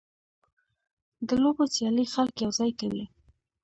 د لوبو سیالۍ خلک یوځای کوي.